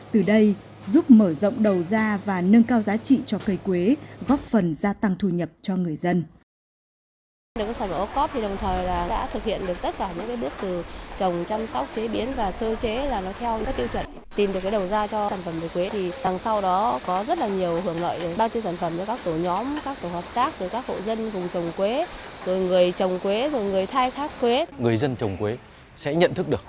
từ đây giúp mở rộng đầu ra và nâng cao giá trị cho cây quế góp phần gia tăng thu nhập cho người dân